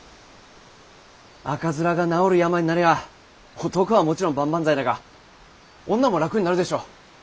赤面が治る病になりゃ男はもちろん万々歳だが女も楽になるでしょ？